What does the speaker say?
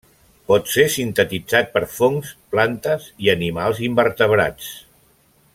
Pot ser sintetitzat per fongs, plantes i animals invertebrats.